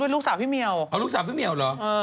น้องถามพี่เมียวเขาเป็นลูกสาวพี่เมียว